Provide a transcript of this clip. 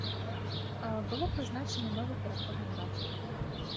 Было прызначаны новы пераходны ўрад.